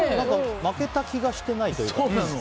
負けた気がしてないというか。